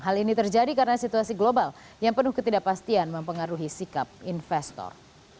hal ini terjadi karena situasi global yang penuh ketidakpastian mempengaruhi sikap investor